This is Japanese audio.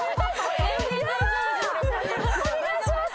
お願いします。